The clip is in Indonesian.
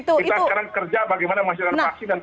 kita sekarang kerja bagaimana menghasilkan vaksin